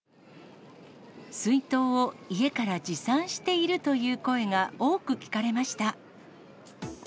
水筒を家から持参しているという声が多く聞かれました。